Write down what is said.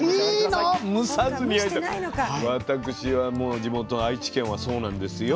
私はもう地元愛知県はそうなんですよ。